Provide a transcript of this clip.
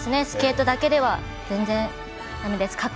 スケートだけでは全然だめです。